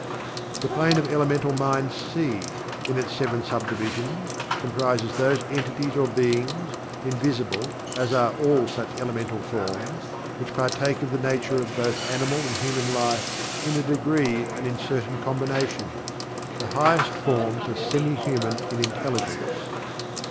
The Plane of Elemental Mind (C), in its seven sub divisions, comprises those entities or beings, invisible as are all such elemental forms, which partake of the nature of both animal and human life in a degree and in certain combinations. The highest forms are semi human in intelligence.